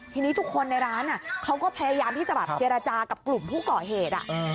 ทีนี้ทุกคนในร้านเขาก็พยายามที่จะแบบเจรจากับกลุ่มผู้ก่อเหตุ